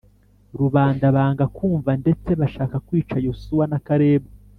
rubanda banga kumva Ndetse bashaka kwica Yosuwa na Kalebu